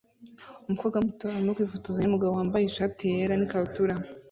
Umukobwa muto arimo kwifotozanya numugabo wambaye ishati yera n ikabutura